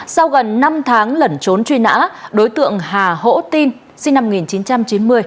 sau gần năm tháng lẩn trốn truy nã đối tượng hà hỗ tin sinh năm một nghìn chín trăm chín mươi